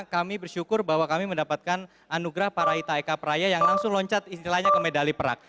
kami bersyukur bahwa kami mendapatkan anugerah para itaeka praya yang langsung loncat istilahnya ke medali perak